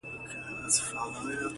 د نارنج ګل به پرننګرهار وي -